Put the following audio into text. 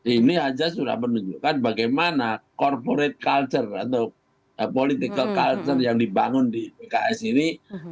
ini aja sudah menunjukkan bagaimana corporate culture atau political culture yang dibangun di pks ini